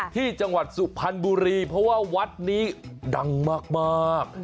ที่จังหวัดสุพรรณบุรีเพราะว่าวัดนี้ดังมาก